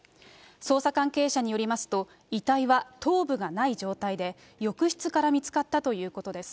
捜査関係者によりますと、遺体は頭部がない状態で、浴室から見つかったということです。